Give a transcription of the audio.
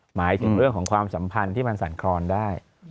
หมายถึงเรื่องของความสัมพันธ์ที่มันสั่นครอนได้